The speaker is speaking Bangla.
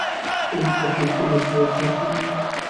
তিনি কর বৃদ্ধির মাধ্যমে করেছিলেন।